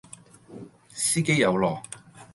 司機有落